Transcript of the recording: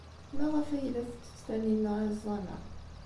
Maɣef ay la tettett Taninna iẓẓan-a?